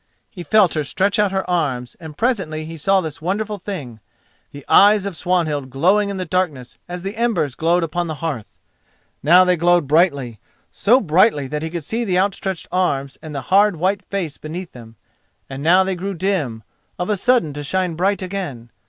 He felt her stretch out her arms and presently he saw this wonderful thing: the eyes of Swanhild glowing in the darkness as the embers glowed upon the hearth. Now they glowed brightly, so brightly that he could see the outstretched arms and the hard white face beneath them, and now they grew dim, of a sudden to shine bright again.